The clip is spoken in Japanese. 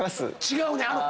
違うねん。